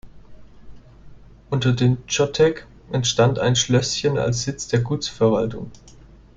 Unter den Chotek entstand ein Schlösschen als Sitz der Gutsverwaltung.